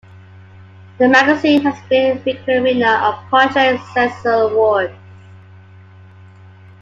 The magazine has been a frequent winner of Project Censored awards.